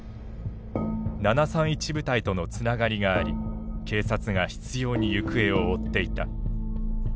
７３１部隊とのつながりがあり警察が執ように行方を追っていた。